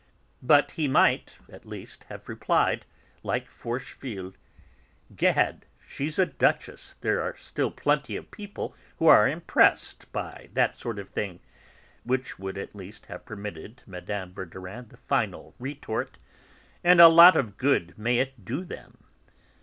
But he might, at least, have replied, like Forcheville: "Gad, she's a duchess; there are still plenty of people who are impressed by that sort of thing," which would at least have permitted Mme. Verdurin the final retort, "And a lot of good may it do them!"